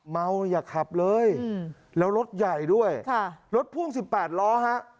เมาส์อยากขับเลยแล้วรถใหญ่ด้วยค่ะรถพ่วงสิบแปดล้อฮะ